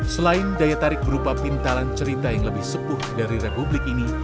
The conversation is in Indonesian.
selain daya tarik berupa pintalan cerita yang lebih sepuh dari republik ini